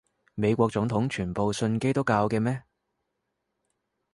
美國總統全部信基督教嘅咩？